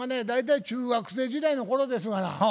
大体中学生時代の頃ですがな